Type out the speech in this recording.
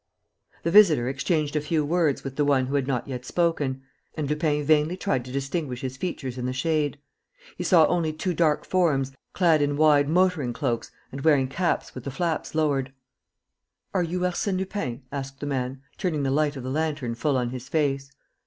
The visitor exchanged a few words with the one who had not yet spoken; and Lupin vainly tried to distinguish his features in the shade. He saw only two dark forms, clad in wide motoring cloaks and wearing caps with the flaps lowered. "Are you Arsène Lupin?" asked the man, turning the light of the lantern full on his face.